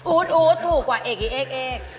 อู๊ดถูกว่าเอกอีเอ๊ก